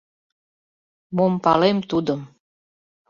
— Мом палем, тудым...